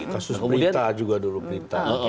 kasus berita juga dulu berita